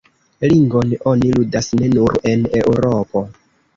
Ringon oni ludas ne nur en Eŭropo.